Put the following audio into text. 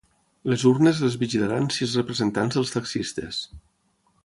Les urnes les vigilaran sis representants dels taxistes.